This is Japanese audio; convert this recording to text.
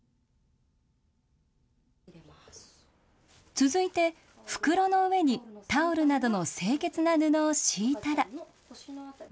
続いて、袋の上にタオルなどの清潔な布を敷いたら。